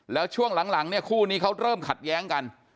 แล้วช่วงหลังเนี่ยคู่นี้เขาเริ่มขัดแย้งกัน